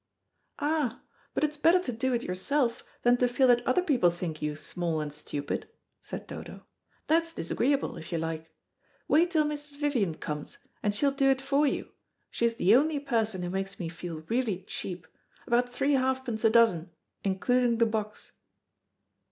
"Ah, but it's better to do it yourself, than to feel that other people think you small and stupid," said Dodo. "That's disagreeable, if you like. Wait till Mrs. Vivian comes, and she'll do it for you. She's the only person who makes me feel really cheap about three halfpence a dozen, including the box."